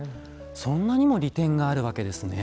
そんなにも利点があるわけですね。